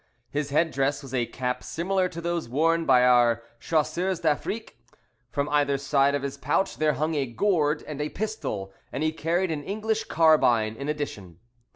His head dress was a cap similar to those worn by our Chasseurs d'Afrique. From either side of his pouch there hung a gourd and a pistol, and he carried an English carbine in addition.